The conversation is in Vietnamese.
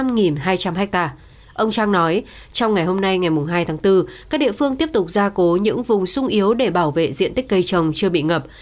ông trang nói trong ngày hôm nay ngày hai tháng bốn các địa phương tiếp tục ra cố những vùng sung yếu để bảo vệ diện tích cây trồng chưa bị ngập